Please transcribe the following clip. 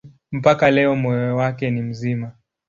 Mpaka leo moyo wake ni mzima.